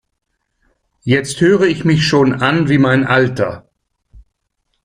Jetzt höre ich mich schon an wie mein Alter!